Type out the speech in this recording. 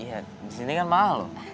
iya disini kan mahal loh